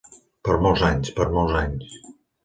Per molts anys, per molts anys.